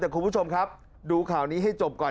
แต่คุณผู้ชมครับดูข่าวนี้ให้จบก่อน